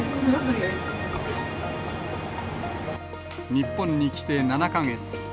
日本に来て７か月。